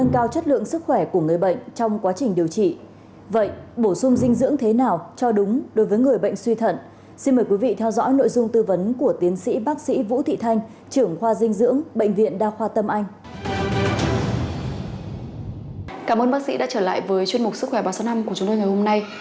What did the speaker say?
cảm ơn bác sĩ đã trở lại với chuyên mục sức khỏe ba trăm sáu mươi năm của chúng tôi ngày hôm nay